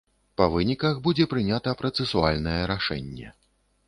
Па выніках будзе прынята працэсуальнае рашэнне.